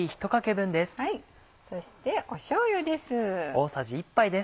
そしてしょうゆです。